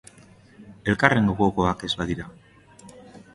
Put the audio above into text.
Elkarren gogokoak ez badira.